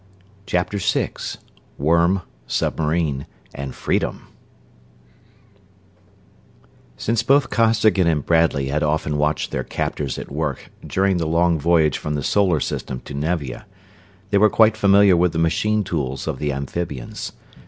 CHAPTER VI Worm, Submarine, and Freedom Since both Costigan and Bradley had often watched their captors at work during the long voyage from the Solar System to Nevia, they were quite familiar with the machine tools of the amphibians.